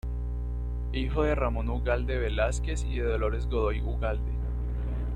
Hijo de Ramón Ugalde Velásquez y de Dolores Godoy Ugalde.